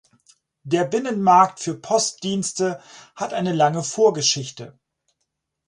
Der Binnenmarkt für Postdienste hat eine lange Vorgeschichte.